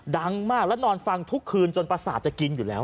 ดังมากแล้วนอนฟังทุกคืนจนประสาทจะกินอยู่แล้ว